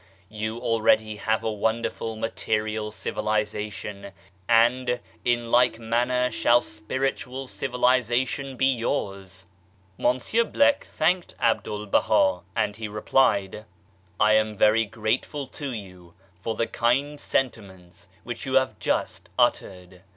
You already have a wonderful material civilization and in like manner shall spiritual civilization be yours. Monsieur Bleck thanked Abdul Baha, and he replied :" I am very grateful to you for the kind sentiments which you have just uttered.